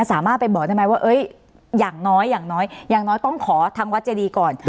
สามารถไปบอกได้ไหมว่าอย่างน้อยอย่างน้อยอย่างน้อยต้องขอทางวัดเจดีก่อน